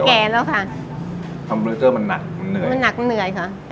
แก่แก่แล้วค่ะทำฟอนิเจอร์มันนักมันเหนื่อยมันนักมันเหนื่อยค่ะ